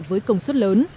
với công suất lớn